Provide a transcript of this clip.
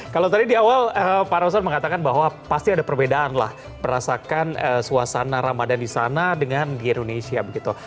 kalau tadi di awal pak rosan mengatakan bahwa pasti ada perbedaan lah merasakan suasana ramadan di sana dengan di indonesia begitu